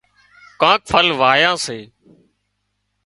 ڪانڪ ڦل واۯان سي